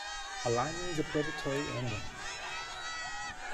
A lion is a predatory animal.